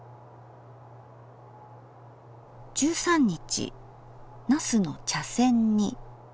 １３日「茄子の茶せん煮」。